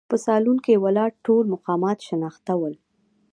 په سالون کې ولاړ ټول مقامات شناخته ول.